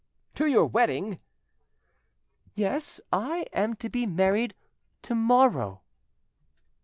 "To your wedding?" "Yes; I am to be married to morrow."